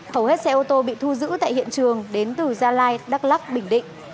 hầu hết xe ô tô bị thu giữ tại hiện trường đến từ gia lai đắk lắc bình định